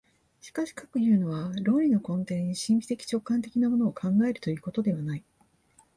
しかしかくいうのは、論理の根底に神秘的直観的なものを考えるということではない。